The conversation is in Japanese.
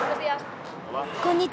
こんにちは。